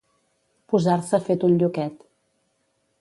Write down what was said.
Posar-se fet un lluquet.